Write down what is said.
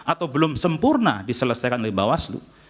atau belum sempurna diselesaikan oleh bawaslu